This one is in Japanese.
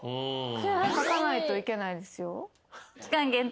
書かないといけないですよ。